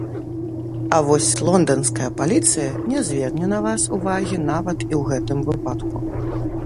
А вось лонданская паліцыя не зверне на вас увагі нават і ў гэтым выпадку.